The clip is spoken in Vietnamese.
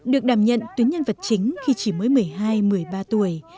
được đảm nhận tuyến nhân vật chính khi chỉ mới một mươi hai một mươi ba tuổi